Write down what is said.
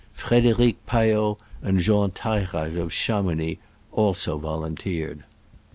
Frederic Payot and Jean Tairraz of Cha mounix also volunteered.